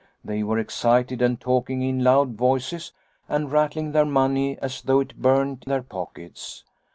They were excited and talking in loud voices and rattling their money as though it burnt their pockets.